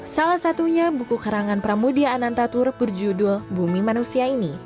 salah satunya buku karangan pramudia anantatur berjudul bumi manusia ini